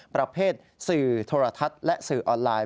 ประเภทสื่อโทรทัศน์และสื่อออนไลน์